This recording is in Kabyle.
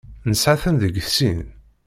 Nesɛa-ten deg sin.